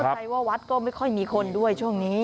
เพราะวาดไม่ค่อยมีคนด้วยวันนี้